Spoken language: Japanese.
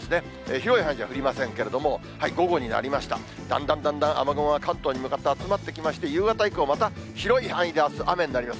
広い範囲では降りませんけれども、午後になりました、だんだんだんだん雨雲が関東に向かって集まってきまして、夕方以降また広い範囲であす雨になります。